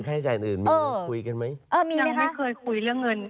ค่าใช้จ่ายอื่นเออคุยกันไหมเออมีไหมคะยังไม่เคยคุยเรื่องเงิน